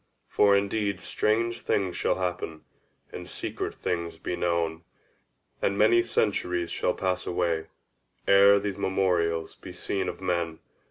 For indeed strange things shall happen, and secret things be known, and many centuries shall pass away, ere these memorials be seen of men.